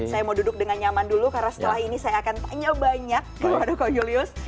saya mau duduk dengan nyaman dulu karena setelah ini saya akan tanya banyak kepada kau julius